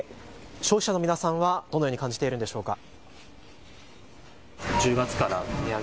消費者の皆さんはどのように感じているんでしょうか。